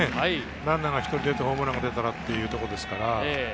ランナーが１人出てホームランが出たらっていうところですから。